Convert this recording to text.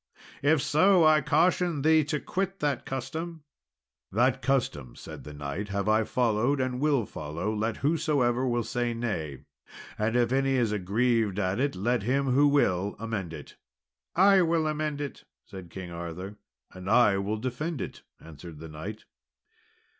If so, I caution thee to quit that custom." "That custom," said the knight, "have I followed and will follow, let whosoever will say nay, and if any is aggrieved at it, let him who will amend it." "I will amend it," said King Arthur. "And I will defend it," answered the knight.